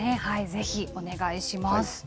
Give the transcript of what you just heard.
ぜひお願いします。